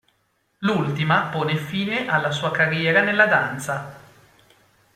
L'ultima pone fine alla sua carriera nella danza.